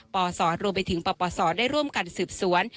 ปศรวมไปถึงปปศได้ร่วมกันสืบสวน